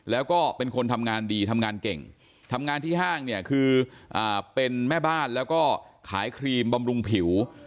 แล้วก็เป็นคนทำงานดีทำงานเก่งทำงานที่ห้างเนี่ยคือเป็นแม่บ้านแล้วก็ขายครีมบำรุงผิว